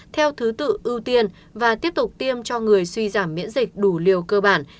theo thứ tự ưu tiên và tiếp tục tiêm cho người suy giảm miễn dịch đủ liều cơ bản